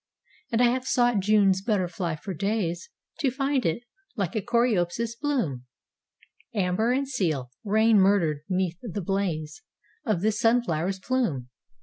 And I have sought June's butterfly for days, To find it like a coreopsis bloom Amber and seal, rain murdered 'neath the blaze Of this sunflower's plume.